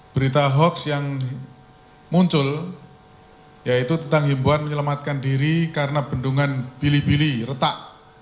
berita hoax yang muncul yaitu tentang himbuan menyelamatkan diri karena bendungan bili bili retak